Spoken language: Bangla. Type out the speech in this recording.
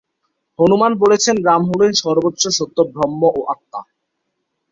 হনুমান বলছেন, রাম হলেন সর্বোচ্চ সত্য ব্রহ্ম ও আত্মা।